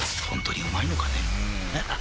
ホントにうまいのかね